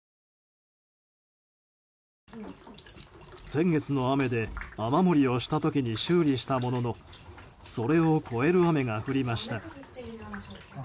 先月の雨で雨漏りをした時に修理したもののそれを超える雨が降りました。